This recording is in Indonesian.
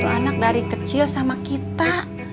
anak dari kecil sama kita